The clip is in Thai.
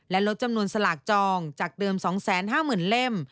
และลดจำนวนสลากจองจากเดิม๒๕๐๐๐เล่ม